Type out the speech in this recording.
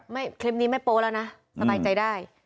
คลิปนี้ไม่โป๊แล้วนะสบายใจได้